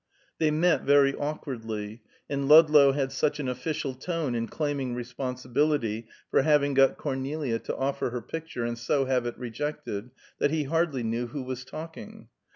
They met very awkwardly, and Ludlow had such an official tone in claiming responsibility for having got Cornelia to offer her picture, and so have it rejected, that he hardly knew who was talking.